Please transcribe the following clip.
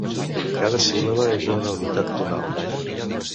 Cada síl·laba és una unitat tonal.